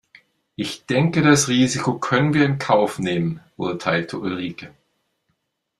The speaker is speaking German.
Ich denke das Risiko können wir in Kauf nehmen, urteilte Ulrike.